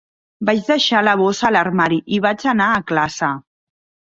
Vaig deixar la bossa a l'armari i vaig anar a classe.